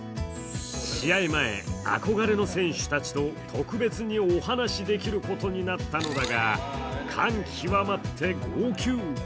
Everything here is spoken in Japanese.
試合前、憧れの選手たちと特別にお話しができることになったのだが感極まって号泣。